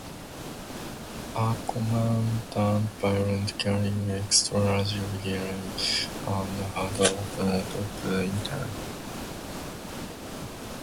A command-tank variant carried extra radio gear and had an open-topped turret.